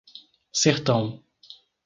Sertão